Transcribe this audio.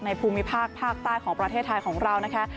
ภูมิภาคภาคใต้ของประเทศไทยของเรานะคะ